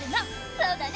そうだね！